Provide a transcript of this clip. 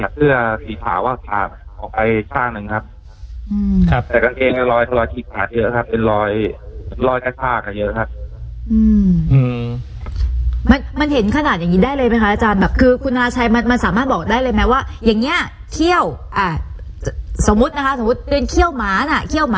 ที่ฉันนั่งอยู่ในรายการกับอาจารย์หมอวิราษัทด้วยนะคะ